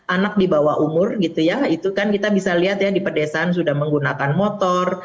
anak di bawah umur gitu ya itu kan kita bisa lihat ya di pedesaan sudah menggunakan motor